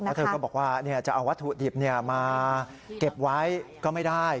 แล้วเธอก็บอกว่าจะเอาวัตถุดิบมาเก็บไว้ก็ไม่ได้